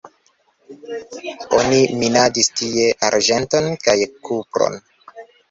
Oni minadis tie arĝenton kaj kupron.